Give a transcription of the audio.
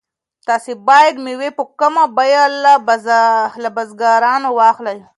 تاسو باید مېوې په کمه بیه له بزګرانو واخلئ.